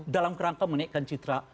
dalam kerangka menaikkan citra